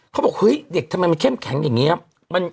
เขาบอกเฮ้ยเด็กทำไมมันเข้มแข็งอย่างนี้ครับ